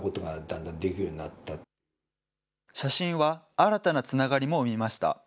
新たなつながりも生みました。